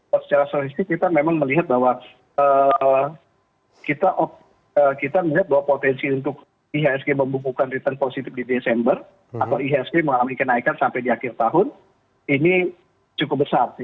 kalau secara statistik kita memang melihat bahwa kita melihat bahwa potensi untuk ihsg membukukan return positif di desember atau ihsg mengalami kenaikan sampai di akhir tahun ini cukup besar